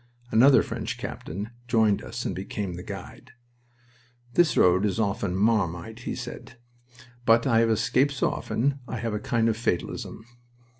Another French captain joined us and became the guide. "This road is often 'Marmite,'" he said, "but I have escaped so often I have a kind of fatalism."